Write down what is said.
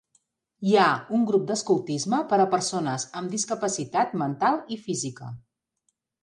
Hi ha un grup d'escoltisme per a persones amb discapacitat mental i física.